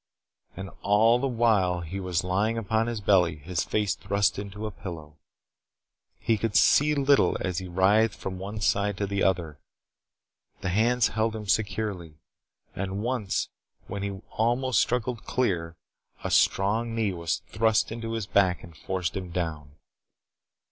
And all the while he was lying upon his belly, his face thrust into a pillow. He could see little as he writhed from one side to the other. The hands held him securely. And once when he almost struggled clear, a strong knee was thrust into his back and forced him down.